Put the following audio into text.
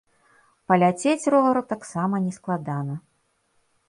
Паляцець ровару таксама не складана.